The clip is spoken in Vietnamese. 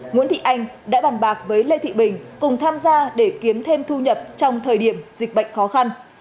nguyễn thị anh đã bàn bạc với lê thị bình cùng tham gia để kiếm thêm thu nhập trong thời điểm dịch bệnh khó khăn